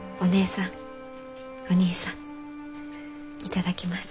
頂きます。